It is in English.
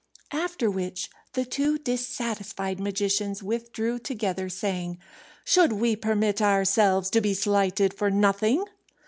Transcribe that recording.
After which, the two dissatisfied magicians withdrew together, saying, "Should we permit ourselves to be slighted for nothing?"